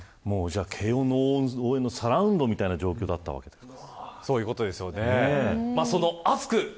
慶応の応援のサラウンドみたいな状況だったわけですか。